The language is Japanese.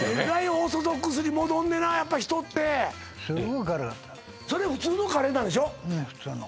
えらいオーソドックスに戻んねなやっぱ人ってそれ普通のカレーなんでしょええ